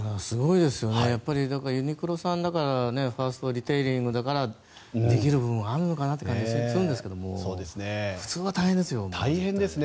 でも、ユニクロさんだからファーストリテイリングだからできる部分があるのかなという気がするんですけど普通は大変ですよね。